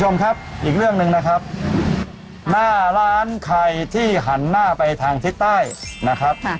หนึ่งนะครับหน้าร้านไข่ที่หันหน้าไปทางทิศใต้นะครับ